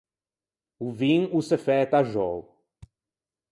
O vin o s’é fæto axou.